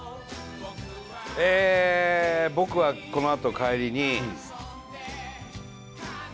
えー僕はこのあと帰りに。